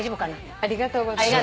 ありがとうございます。